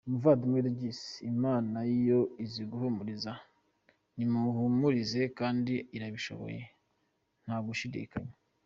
Umuvandimwe Regis, Imana yo izi guhumuriza nimuhumurize, kandi irabishoboye ntagushidikanya.